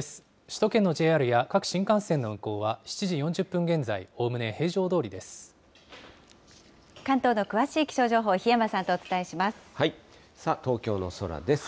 首都圏のＪＲや各新幹線の運行は７時４０分現在、おおむね平常ど関東の詳しい気象情報、東京の空です。